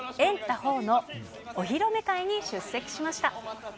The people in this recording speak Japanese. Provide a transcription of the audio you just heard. ４のお披露目会に出席しました。